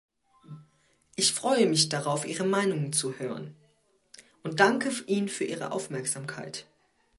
Ich freue mich darauf, Ihre Meinungen zu hören, und danke Ihnen für Ihre Aufmerksamkeit.